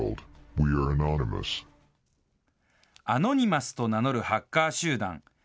アノニマスと名乗るハッカー集団。